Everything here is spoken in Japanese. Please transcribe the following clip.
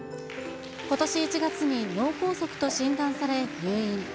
ことし１月に脳梗塞と診断され、入院。